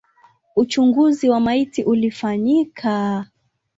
Uchunguzi wa maiti ulifanyika.